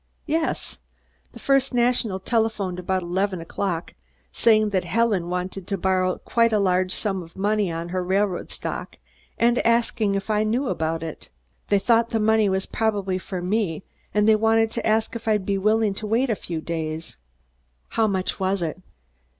"Yes. The First National telephoned about eleven o'clock saying that Helen wanted to borrow quite a large sum of money on her railroad stock and asking if I knew about it. They thought the money was probably for me and they wanted to ask if I'd be willing to wait a few days." "How much was it?"